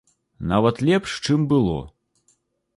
Нават лепш, чым было.